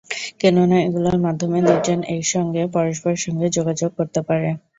কেননা, এগুলোর মাধ্যমে দুজন একই সঙ্গে পরস্পরের সঙ্গে যোগাযোগ করতে পারে।